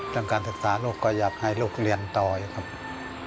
การศึกษาลูกก็อยากให้ลูกเรียนต่ออีกครับ